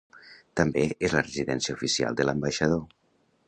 També és la residència oficial de l'Ambaixador.